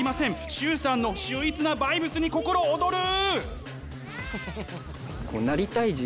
崇さんの秀逸なバイブスに心躍る！